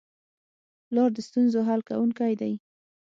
پلار د ستونزو حل کوونکی دی.